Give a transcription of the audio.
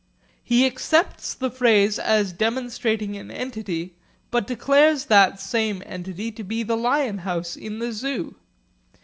He accepts the phrase as demonstrating an entity, but declares that same entity to be the lion house in the Zoo.